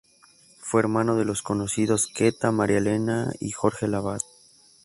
Fue hermano de los conocidos Queta, María Elena y Jorge Lavat.